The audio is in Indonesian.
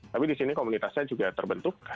tapi di sini komunitasnya juga terbentuk